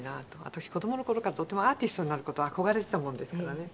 私子供の頃からとってもアーティストになる事憧れていたもんですからね。